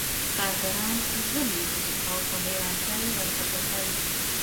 کارګران غلي وو او په حیرانتیا یې ورته کتل